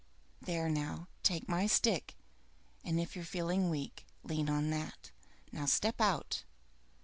There now, take my stick, and if you're feeling weak, lean on that. Now step out!"